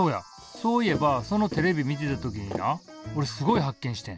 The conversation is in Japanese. そういえばそのテレビ見てた時になおれすごい発見してん。